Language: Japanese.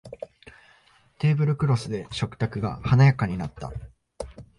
テーブルクロスで食卓が華やかになった